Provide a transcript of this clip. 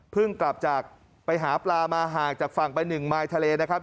กลับจากไปหาปลามาห่างจากฝั่งไปหนึ่งมายทะเลนะครับ